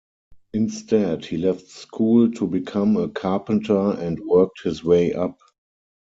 Instead he left school to become a carpenter and worked his way up.